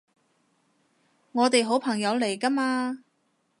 我哋好朋友嚟㗎嘛